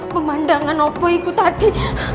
pemandangan oboiku tadi